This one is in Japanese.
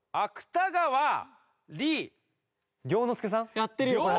やってるよこれ。